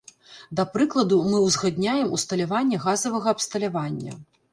Да прыкладу, мы ўзгадняем усталяванне газавага абсталявання.